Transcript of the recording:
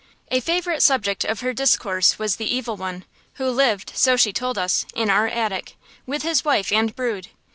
A favorite subject of her discourse was the Evil One, who lived, so she told us, in our attic, with his wife and brood.